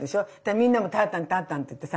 みんなもたーたんたーたんって言ってさ